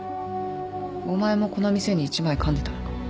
お前もこの店に一枚かんでたのか